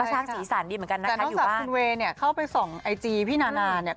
ใช่ค่ะแต่น้องศัพท์คุณเวเนี่ยเข้าไปส่องไอจีพี่นานาเนี่ย